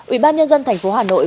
ủy ban nhân dân tp hà nội